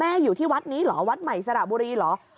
อยู่ที่วัดนี้เหรอวัดใหม่สระบุรีเหรอ